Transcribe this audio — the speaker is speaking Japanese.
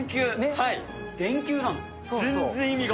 電球なんですが。